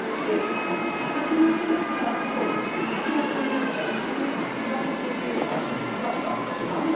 この砂漠に住むからこその特徴というのが、一般のネコと違う特徴というのがあるんです。